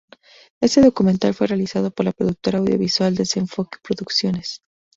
Este documental fue realizado por la productora audiovisual Desenfoque Producciones.